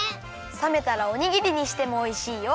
さめたらおにぎりにしてもおいしいよ！